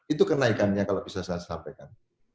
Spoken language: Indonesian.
itu kenaikannya kalau bisa saya sampaikan